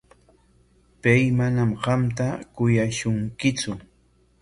Pay manam qamta kuyashunkitsu.